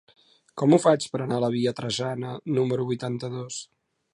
Com ho faig per anar a la via Trajana número vuitanta-dos?